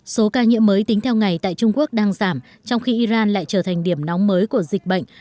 số ca nhiễm mới tính theo ngày tại trung quốc đang giảm trong khi iran lại trở thành điểm nóng mới của dịch bệnh